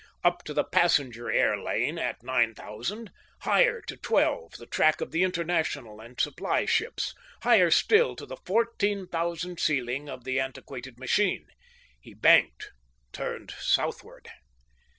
Up to the passenger air lane at nine thousand: higher to twelve, the track of the international and supply ships; higher still, to the fourteen thousand ceiling of the antiquated machine. He banked, turned southward.